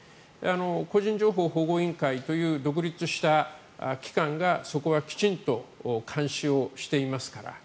個人情報保護委員会という独立した機関がそこはきちんと監視をしていますから。